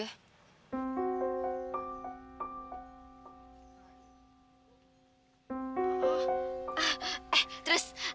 oh eh terus